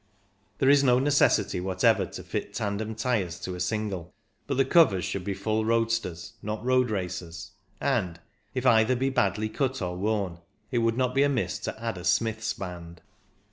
There is no necessity whatever to fit tandem tyres to a single, but the covers should be 234 CYCLING IN THE ALPS full roadsters, not road racers, and, if either be badly cut or worn, it would not be amiss to add a Smith's band.